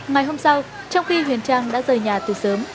mày hôm sau trong khi huyền trang đã rời nhà từ sớm